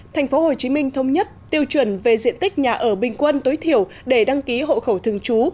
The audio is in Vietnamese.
tp hcm thông nhất tiêu chuẩn về diện tích nhà ở bình quân tối thiểu để đăng ký hộ khẩu thường trú